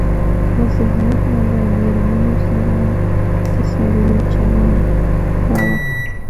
له ذهنيت نه له مېرمنو سره د سړيو چلن راوتى.